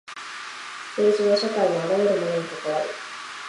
政治は社会のあらゆるものに関わる。